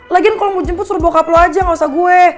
lagian kalo mau jemput suruh bokap lo aja gak usah gue